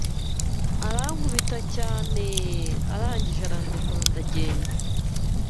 arankubita cyaneeeeee arangije arandekura ndagenda